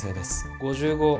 ５５。